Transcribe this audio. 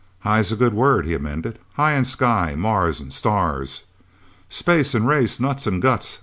"High's a good word," he amended. "High and sky! Mars and stars!" "Space and race, nuts and guts!"